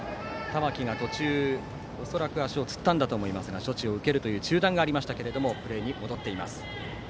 玉木が途中、恐らく足をつったんだと思いますが処置を受けるという中断がありましたけれどもプレーに戻っています。